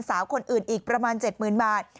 สาวคนอื่นอีกประมาณ๗๐๐๐บาท